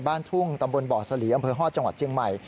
บ้านทุ่งตำบลบ่อสลีอำเภอฮอตจังหวัดเชียงใหม่